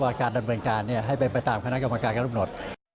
ว่าการดำเนินการให้ไปตามคณะกรรมการกระทบหนด